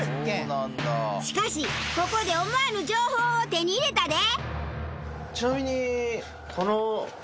しかしここで思わぬ情報を手に入れたで！